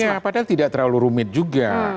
ya padahal tidak terlalu rumit juga